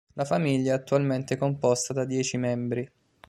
La famiglia è attualmente composta da dieci membri.